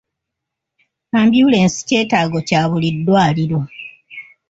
Ambyulensi kyetaago kya buli ddwaliro.